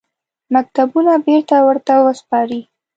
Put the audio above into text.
مکتوبونه بېرته ورته وسپاري.